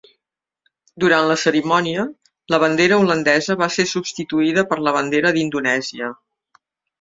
Durant la cerimònia, la bandera holandesa va ser substituïda per la bandera d'Indonèsia.